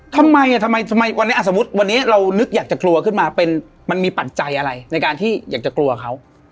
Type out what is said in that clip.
ทำไมทำไมวันนี้สมมุติวันนี้เรานึกอยากจะกลัวขึ้นมาเป็นมันมีปัจจัยอะไรในการที่อยากจะกลัวเขา